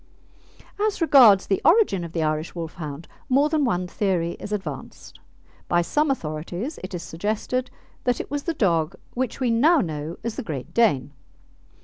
As regards the origin of the Irish Wolfhound, more than one theory is advanced. By some authorities it is suggested that it was the dog which we now know as the Great Dane.